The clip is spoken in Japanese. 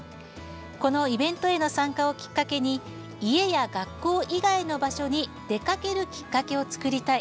このイベントへの参加をきっかけに家や学校以外の場所に出かけるきっかけを作りたい。